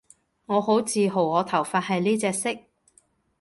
我好自豪我頭髮係呢隻色